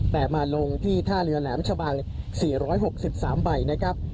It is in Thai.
แต่มาลงที่ท่าเรือแหลมชะบัง๔๖๓ใบนะครับ